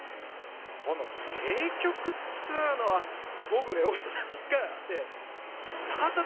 この政局っつうのは僕、大下さん１回、永田町